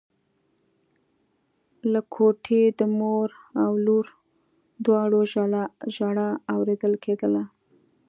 له کوټې د مور او لور دواړو ژړا اورېدل کېدله.